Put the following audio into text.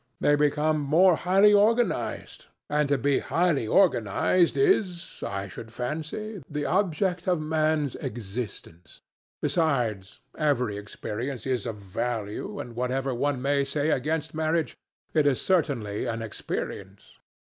They become more highly organized, and to be highly organized is, I should fancy, the object of man's existence. Besides, every experience is of value, and whatever one may say against marriage, it is certainly an experience.